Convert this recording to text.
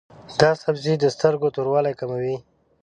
دا سبزی د سترګو توروالی کموي.